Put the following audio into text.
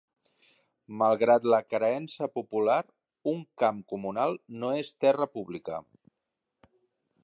Malgrat la creença popular, un "camp comunal" no és "terra pública".